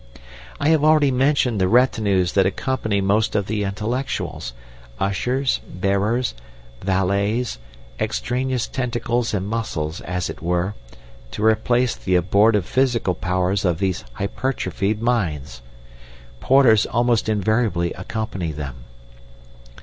"I have already mentioned the retinues that accompany most of the intellectuals: ushers, bearers, valets, extraneous tentacles and muscles, as it were, to replace the abortive physical powers of these hypertrophied minds. Porters almost invariably accompany them.